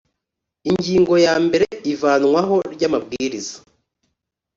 ingingo ya mbere ivanwaho ry amabwiriza